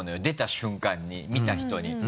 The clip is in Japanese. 出た瞬間に見た人に。